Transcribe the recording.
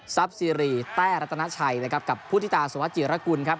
ซีรีแต้รัตนาชัยนะครับกับพุทธิตาสุวัสจิรกุลครับ